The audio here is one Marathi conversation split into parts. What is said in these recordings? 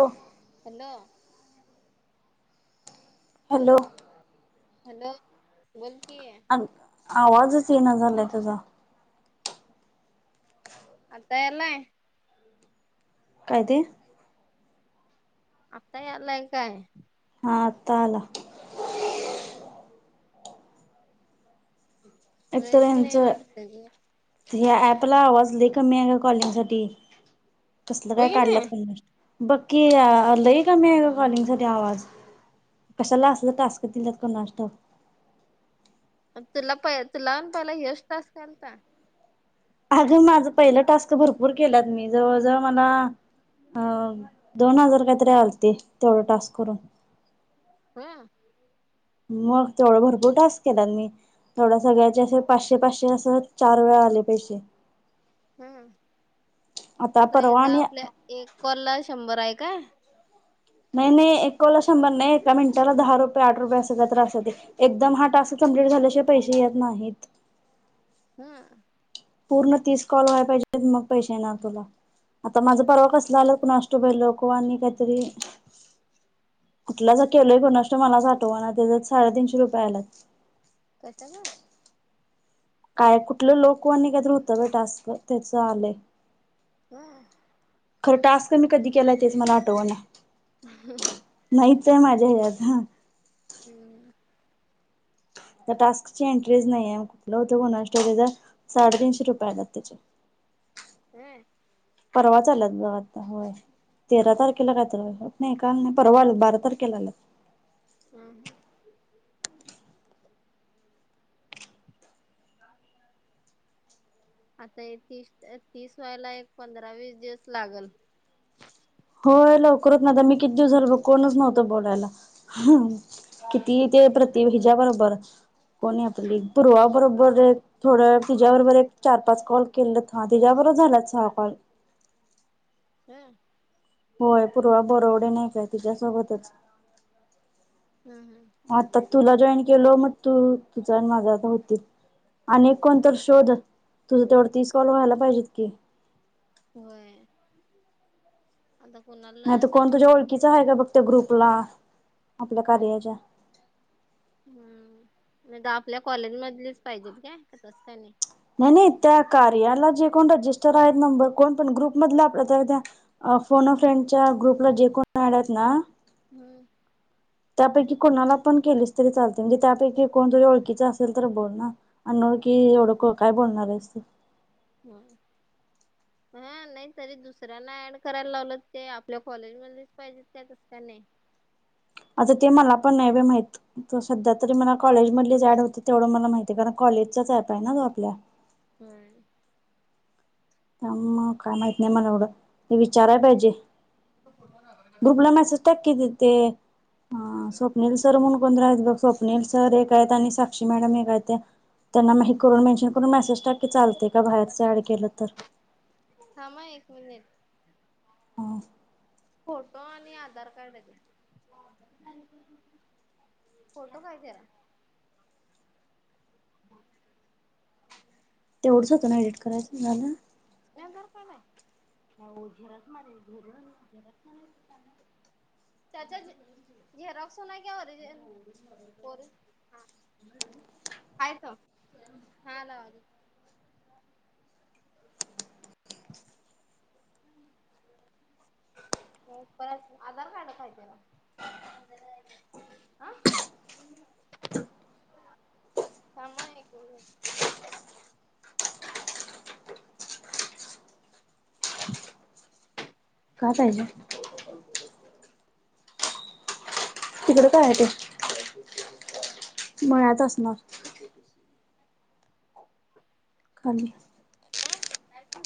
हो. हॅलो. हॅलो. हॅलो बोल कि आवाजच येन झालाय तुझा? आताला येएला. काय तेे आता आलाय काय? हा आठ आला. एकत रेंज त्यांच नाही वाटत ग ह ऍपला आवाजला कमी आहे का कॉलिंग साठी कसलं काय होय की काढलंत नाही क बक्की आ लही कमी आहे का कॉलिंग सा आवाज कशाला असलं टाक दिलात का नाष्टतव. तुला प तुला पण पहिला यश तास घालता. अगं माझं पहिलं टास्क भरपूर केलात मी जवळ जवळ मला. अ दोन हजार काहीतरी आलते तेवढं टास्क करून. हा. मग तेवढं भरपूर टास्क केलात मी. थोडा सगळ्याचे असे पाचशे पाचशे असं चार वेळा आले पैसेे. हम आता परवा ह्याचा आणि आपल्या एक कॉलला शंभर आहे काय? नाही नाही एकोला शंभर नाही एका मिनिटाला दहा रुपये आठ रुपये असग का त्रासते. एकदम हा टास्क कमप्लीट झाल्याशिवा पैसे येत नाहीत. हा. पूर्ण तीस कॉल व्हाय पाहिजे मग पैसे ना तुला आता माझा हम्म परवा कस? झाल को नष्ट पई लोक अ आणि काहीतरी कुठला ज केलय गणष्ट मला आठवा त्याच्या साडेतीीनशे रुपये आलात. कसं ग? काय कुठलं लोक आणि आणि काय ुत बेटस् त्याच आले. हा. खरं टास्क मी कधी केलाय तेच मला आटवण. ह ह. नाहीच आहे माझ्या हत हा. हम. टास्क ची एंट्रीज नाही कुठलं हो होन स्टोर साडेतीीनशे रुपयाला त्याचे हम. परवा चालत ग आता होय. तेरा तारखेला कायत नाही काल नाही परवा बारा तारखेला आलात. हम ह. आता हे तीस तीस वयाला एक पंधरा वीस दिवस लागल. होय लवकरच नाता मी किती दिवस झालो बघ कोणच नव्हत बोलायला. किती ते प्रति हिज्या बरोबर कोण आपली पूर्वा बरोबर. थोडं तिच्या्याबरोबर एक चार पाच कॉल केलं हा तिच्यावरच झालाच हा कॉल. हा. होय पूर्वा बरवडे नाही काय तिच्यासोबतच. हम् हम्. आता तुला जॉईन केल मग तू तुझ माझ्या आता होतील. अक कोण तर हम्म शोध तुझं तेवढ तीस कॉल व्हायला पाहिजेत की होय. आता फोन नळ. नाही तर कोण तुझ्या ओळखीचा आहे का बघ त्या ग्रुपला आपल्या कार्याच्या हम्म नाही तर आपल्या कॉलेजमधलीच पाहिजेत काय तसं का नाही. नाही नाही त्या कार्याला जे कोण रजिस्टर आहेत नंबर कोण पण ग्रुप मधले आपल्या त्या त्या फोन फ्रेंडच्या ग्रुपला जे कोण आणत ना. हम्म. त्यापैकी कोणाला पण केलीच तरी चालते म्हणजे त्यापैकी कोण तरी ओळखीचा असेल तर बोल ना अनोळखी एवढ को काय बोलणार हाईस ते होय. हा नाही तरी दुसऱ्यांना ऍड करायला लावलं ते आपल्या कॉलेजमध्येच पाहिजेत त्या तस का नाही? आता ते मला पण नाही बाई माहिती तो सध्या तरी मला कॉलेजमधली जाॅड होते तेवढं मला माहिती आहे, कारण कॉलेजचाच ॲप आहे ना तो आपल्या. होय हम्म मग काय माहित नई मला एवढ. ते विचाराय पाहिजे, ग्रुपला मेसेज टाक की तिथे हा स्वप्निल सर म्हणून कोणतरी आहेत बघ, स्वप्नील सर एक आहेत आणि साक्षी मॅडम एक आहेत्या. त्यांना म हे करून मेन्शन करून मेसेज टाक की चालते का बाहेरचं ॲड केलं तर? थांबा एक मनिट हम्म. फोटो आणि आधार कार्ड आहे बघ फोटो कहा है तेरा? हो तेवढंच होतं ना एडिट करायचं, झालं? [unintelligible] त्याच्याज [unintelligible] हाय तो, हाय ना आलो. [inaudible] हो बस आधारकार्ड पाहिजे त्याला. [unintelligible] समा हे कोई [unintelligible] ह्या साइडला तिकडं काय आहे ते मळ्यात असणार. खाली क्या काय तू,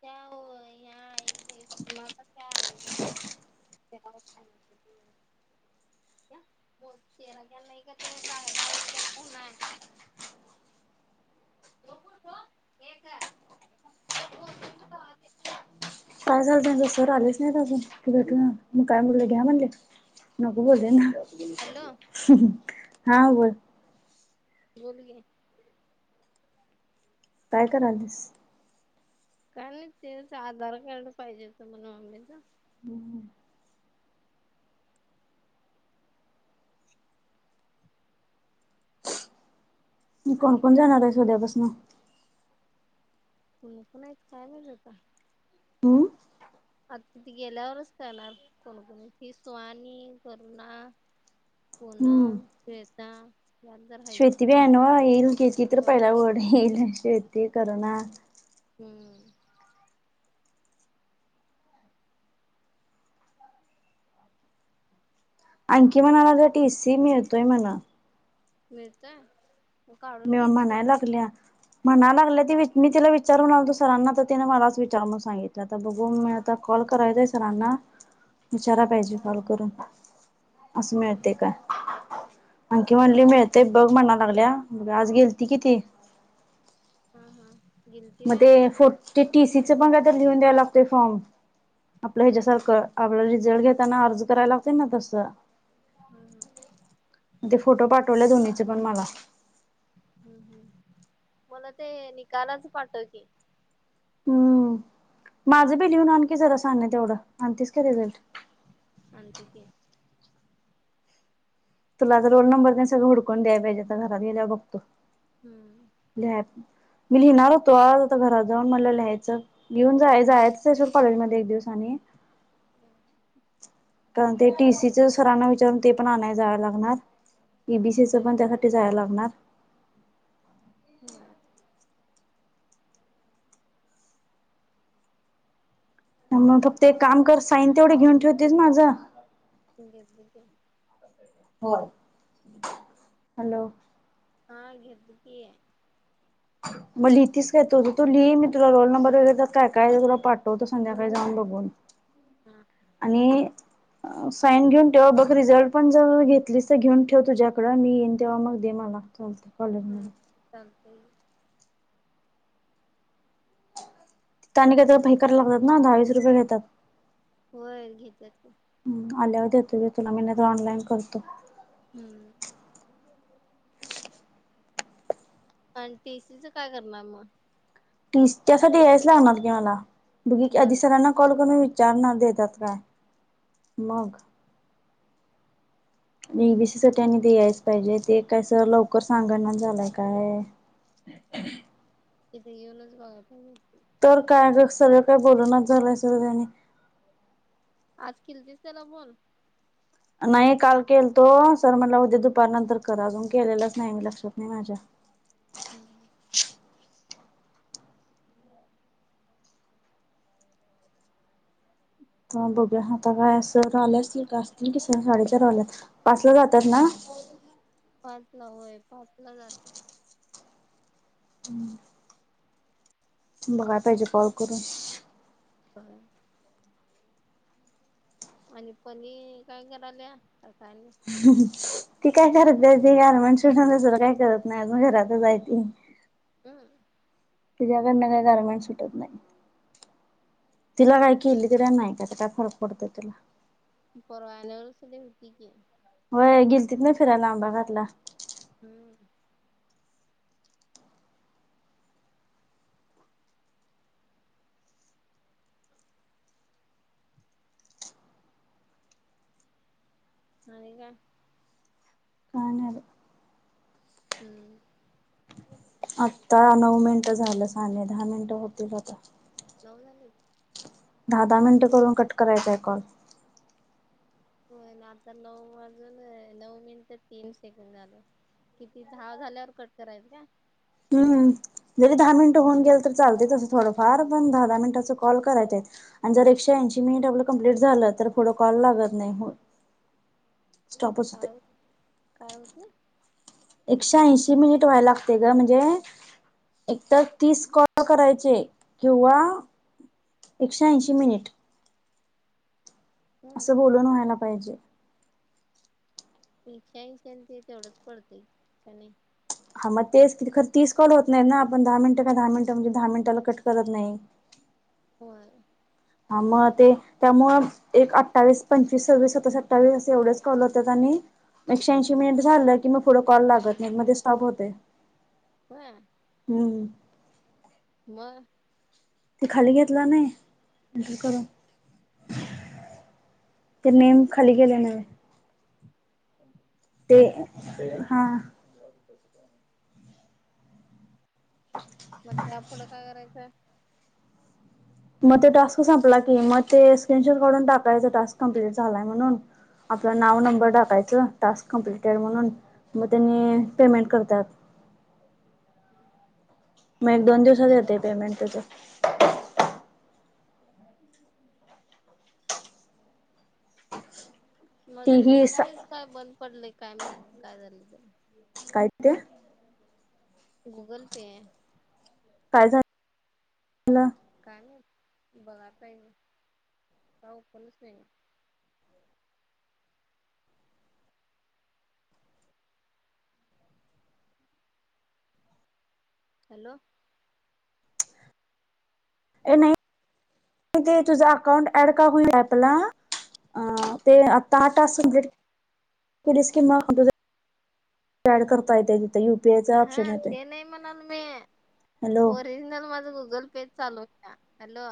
क्या वोह या नाही मग काय आहे ते [unintelligible] [unintelligible] [unintelligible] काय झाल नाही सर आलेच नाही अजून? भेटू ना मग काय बोले घ्या म्हणले नको बोलले ना? हॅलो हा बोल बोल की काय करालीस? काय नही तेच आधार कार्ड पाहिजे होत म्हण मम्मीच. हम्म मी कोण आणि कोण काय जाणारेस उद्यापासन? कोण कोण हाईत काय माहित आता हम्म? आता तिथ गेल्यावरच काणार कोणीकणी ति सुवानी करुणा हम्म पुनम श्वेता ह्यात जरा आहेत ती बी हाय नव्ह येईल की किती रुपयाला हाय ओढी ती तर ना हम्म अंकी म्हणाला लागल्या टी सी मिळतोय म्हणा. मिळतोय मी म्हणाय लागल्या. म्हणाय लागलं ती वि मी तिला विचार लालतो सरांना तर तिने मलाच विचार सांगितलं तर बघून म. आता कॉल करराचय सरांना. [inaudible] विचारा पाहिजे कॉल करून, असं हा मिळते काय? अंकी म्हणली होय. मिळतेय बघ म्हणा लागल्या, आज गेल ती किती. हम हम. मग ते फो ते टीसीचं पण का तर लिहून द्याय लागत फॉर्म आपलं होय हा हा ह्याच्यासारखं. आपला रिझल्ट घेताना अर्ज करायला लागतील ना तसं. हम हम. ते फोटो पाठवले दोनीचे पण मला. हम्म हम् मला ते निकालाच पाठव की. हम्म माझं बी लिहून आणखी जरा साने तेवढं, आणतीस की रिझल्ट. आणतो की. तुला तर रोल नंबर नाही सगं हुडकून द्याय पाहिजे तर घरात गेल्यावर बघतो. हम्म. लिहा मी लिहिणार होतो आज आता घरात जाऊन मला लिहायचं. घेऊन जाय जायचसोड कॉलेज मध्ये एक दिवस आणि. हम. कारण ते टीसीच सरना विचारून ते पण आणायला जाय लागणार. इ बी सी चं होय पण त्याच्यासाठी जायला लागणार. ह. [unintelligible] मगून फक्त एक काम कर साईन तेवढ घेऊन ठेवतेस माझं? ती घेतली ते. हो, हॅलो. हा घेतो की. मग लिहितीस काय तुज तु लिही मी तुला रोल नंबर वगैरे तर काय काय तुला पाठवतो संध्याकाळी जाऊन बघून. हा. आणि. साईन घेऊन ठेव बघ रिझल्ट पण जर घेतलीच तर घेऊन ठेव तुझ्याकडं मी येईन तेव्हा मग दे मग. लाग चालते कॉलेज मध्ये. [unintelligible] चालते. त्या काही फैकार लागतात ना दहावीस रुपये घेतात. होय घेतात की. ह आल्यावर देतो तुला मीन तर ऑनलाईन करतो. हम्म. आणि टीसीचं काय करणार मग? ती त्यासाठी यायच लागणार की मला बघी आधी होय सरांना कॉल करून. विचार ना देतात काय? मग. एबीसी साठी आणि ते यायच पाहिजे ते कायसं लवकर सांगणा झालंय काय. तिथे येेऊनच बघाय पाहिजे. तर काय, सर काय बोलनाच झालंय सोड बाई आणि. आज केलतीस त्याला फोन? नाही काल केलतो, सर म्हटला उद्या दुपार नंतर करा अजून केलेलंच नाही मी लक्षात नाही माझ्या. हम्. हा बघूया आता काय सर आल्या असतील का असतील की सााडेच्याार वाजल्यात. पासला जातात ना? पास ला होय, पास ला जातो. [inaudible] बघाय पाहिजे कॉल करून. व्हय. आणि पणी काय कराल्या काय माहित. ती काय करत्या ती गारमेंट शडसर [unintelligible] दुसरा काय करत नाही अजून घरातच आहे ती. [unintelligible] तिच्या्याकडन काय गारमेंट सुटत नाही. तिला काय केली तरी नाही काता काय फरक पडत तिला. परवा एनिवर्सरी होती की. व्हयं गिलतीत ना फिरायला आंबा घाटला. हम्म. आणि काय. काय नाही बघ. हम्म. आता नऊ मिनिटं झालं सां दहा मिनिटं होतील आता. नऊ झालीत. दहा दहा मिनिटं करून, कट करायचांय कॉल. होय ना आता नऊ वाजून नऊ मिनिटात तीन सेकंड झालं. किती धा झाल्यावर कट करायचं काय. हम्म जरी दहा मिनटं होऊन गेल तर चालतय नाही तसं थोडंफार पण दहा दहा मिनिट अस कॉल करायचे आहेत. आणि जर एकशे ऐंशी मिनिट आपला कंप्लीट झालं तर पुढं कॉल लागत नाही. स्टॉपच होते काॅल काॅल काय. एकशे ऐंशी मिनिट व्हायला लागतय ग म्हणजे. एक तर तीस कॉल करायचे किंवा. एकशेऐंशी मिनिट. ह असं बोलून व्हायला पाहिजे. एकशेऐंशी ते तेवढंच पडतंय काय नाही. हा मग तेच की खर तीस कॉल होत नाही ना आपण दहा मिनट काय दहा मिनिटं म्हणजे दहा मिनिटाला कट करत नाही. व्हय. हा मग ते त्यामुळंच. एक अठ्ठावीस, पंचवीस, सव्वीस, सत्तावीस, असठ्ठावीस असे एवढेच कॉल होतात. आणि, एक श्याऐंशी मिनिट झालं की मग पुढं कॉल लागत नाही मध्ये स्टॉप होतय. व्हय. हम्म. म. ते खाली घेतला नाही एंटर करून. ते नेम खाली गेलेलं हाय. ते हा. मग त्या पुढं काय करायचं. मग ते टास्क संपला की मग ते स्क्रीनशॉट काढून टाकायचा टास्क कम्प्लीट झालाय म्हणून. आपलं नाव हम्म. नंबर टाकायच टास्क कमप्लिटेड म्हणून मग त्यांनी पेमेंट करत्यात. [inaudible] मग एक दोन दिवसात येतय पेमेंट त्याचं. ती माझं ही गुगल सा पे च काय बंद पडलंय काय माहित काय झालंय त्याला. काय ते. गुगल पे हाय. काय झाल. काय नाही बघ बागात आहे मी काय ओपणच होईना. हॅलो. ऐ नाही ते तुझा अकाउंट ऍड का होई अँप ला. अ ते आता हा टास्क कंप्लीट केलीस की मग [inaudible] तयार करता येते तिथ. ह हा ते नाही म्हणाल मी हॅलो ओरिजनल माझं गुगल चालो हो त्या हॅलो.